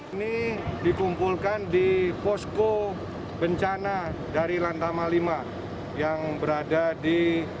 ini dikumpulkan di posko bencana dari lantama v yang berada di